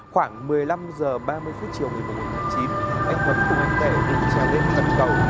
khoảng một mươi năm h ba mươi chiều một mươi một h một mươi chín anh huấn cùng anh đệ được trao đến phần cầu